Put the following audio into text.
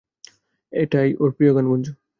এটাই ওর প্রিয় গান গুঞ্জু!